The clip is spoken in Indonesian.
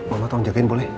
mama tolong jagain boleh